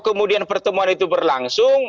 kemudian pertemuan itu berlangsung